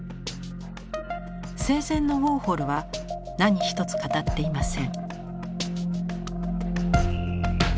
生前のウォーホルは何一つ語っていません。